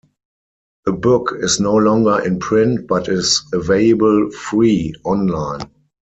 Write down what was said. The book is no longer in print but is available free online.